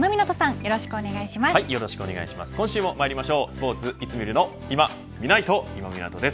よろしくお願いします。